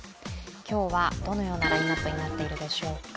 今日はどのようなラインナップになっているでしょうか。